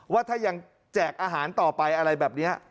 ว่าถ้ายังแจกอาหารต่อไปอะไรแบบนี้